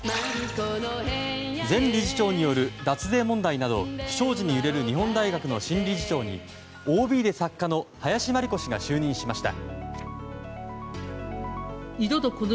前理事長による脱税問題など不祥事に揺れる日本大学の新理事長にＯＢで作家の林真理子氏が就任しました。